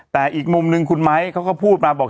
แต่อีกมุมหนึ่งคุณไม้เขาก็พูดมาบอก